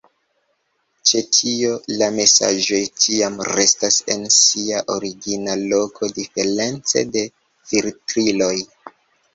Ĉe tio la mesaĝoj ĉiam restas en sia origina loko, diference de filtriloj.